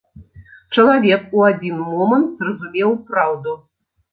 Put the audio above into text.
Чалавек у адзін момант зразумеў праўду.